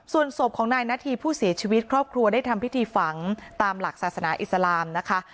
ส่วนศพของนายนาธีผู้เสียชีวิตครอบครัวได้ทำพิธีฝังตามหลักศาสนาอิสลามนะคะ